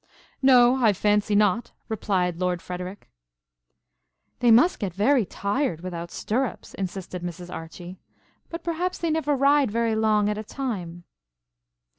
"No, I fancy not," replied Lord Frederic. "They must get very tired without stirrups," insisted Mrs. Archie. "But perhaps they never ride very long at a time."